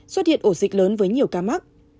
xuất hiện ổ dịch lớn với nhiều ca mắc